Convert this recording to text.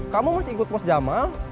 kamu masih ikut pos jamal